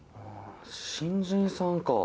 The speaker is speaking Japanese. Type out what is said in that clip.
新人さんか。